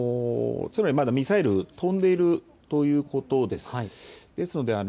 まだ、ミサイルが飛んでいるということです。